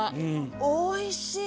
おいしい！